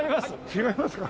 違いますか？